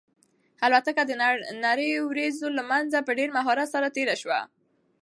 الوتکه د نريو وريځو له منځه په ډېر مهارت سره تېره شوه.